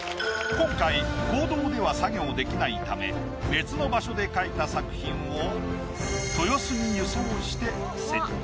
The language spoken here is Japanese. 今回公道では作業できないため別の場所で描いた作品を豊洲に輸送して設置。